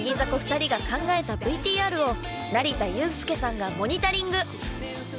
２人が考えた ＶＴＲ を成田悠輔さんがモニタリング！